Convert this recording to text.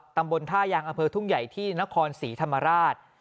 ตำบลท่ายางอเภอทุ่งใหญ่ที่นครศรีธรรมราช